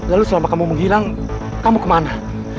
lalu selama kamu menghilang kamu kemana